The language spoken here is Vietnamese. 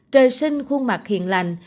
trời sinh khuôn mặt hiền lành